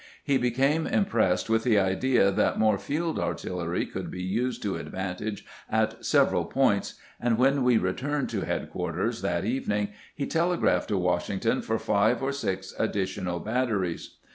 He became im pressed with the idea that more field artiUery could be used to advantage at several points, and when we re turned to headquarters that evening he telegraphed to Washington for five or six additional batteries.